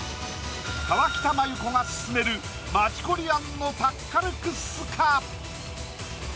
河北麻友子がススメる町コリアンのタッカルクッスか？